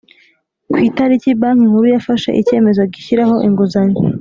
ku itariki Banki Nkuru yafashe icyemezo gishyiraho inguzanyo